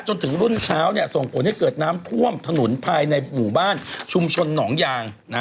จนถึงรุ่นเช้าส่งผลให้เกิดน้ำท่วมถนนภายในหมู่บ้านชุมชนหนองยาง